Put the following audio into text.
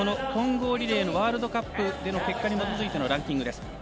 混合リレーのワールドカップでの結果に基づいてのランキングです。